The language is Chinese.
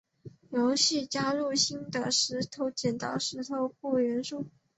游戏加入了新的石头剪刀布元素。